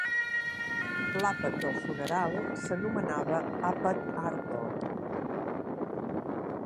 L"àpat del funeral s"anomenava Àpat Arvel.